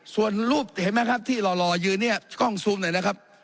ส่วนรูปเห็นไหมครับที่หล่อยืนเนี่ยกล้องซูมหน่อยนะครับ